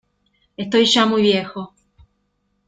Estoy ya muy viejo.